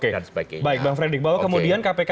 dan sebagainya baik bang fredy bahwa kemudian kpk